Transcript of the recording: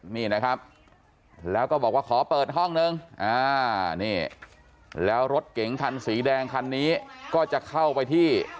นี่นะครับแล้วก็บอกว่าขอเปิดห้องนึงนี่แล้วรถเก๋งคันสีแดงคันนี้ก็จะเข้าไปที่